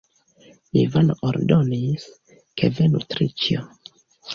Ivano ordonis, ke venu Triĉjo.